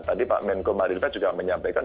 tadi pak menko marita juga menyampaikan